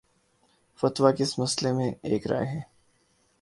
فتوی کس مسئلے میں ایک رائے ہے۔